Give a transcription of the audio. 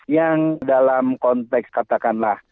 yang dalam konteks katakanlah